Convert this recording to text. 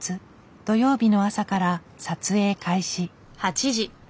土曜日の朝から撮影開始。